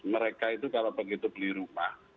mereka itu kalau begitu beli rumah